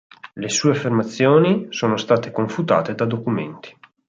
Le sue affermazioni sono state confutate da documenti.